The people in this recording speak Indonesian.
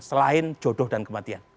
selain jodoh dan kematian